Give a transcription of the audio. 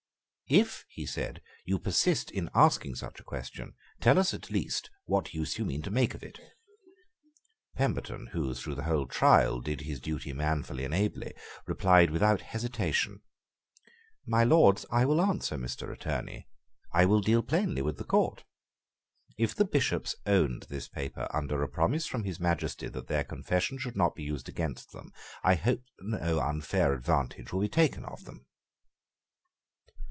"If," he said, "you persist in asking such a question, tell us, at least, what use you mean to make of it." Pemberton, who, through the whole trial, did his duty manfully and ably, replied without hesitation; "My Lords, I will answer Mr. Attorney. I will deal plainly with the Court. If the Bishops owned this paper under a promise from His Majesty that their confession should not be used against them, I hope that no unfair advantage will be taken of them."